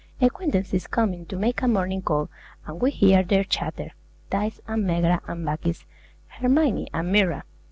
Acquaintances come in to make a morning call, and we hear their chatter, Thaïs and Megara and Bacchis, Hermione and Myrrha.